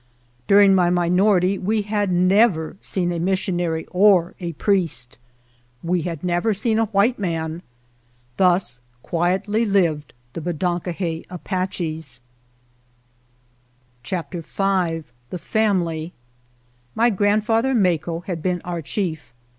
During my minority we had never seen a missionary or a priest. We had never seen a white man. Thus quietly lived the Be don ko he Apaches. S4 CHAPTER V THE FAMILY MY grandfather, Maco, had heen our chief.